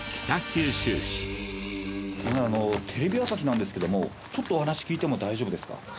すいませんテレビ朝日なんですけどもちょっとお話聞いても大丈夫ですか？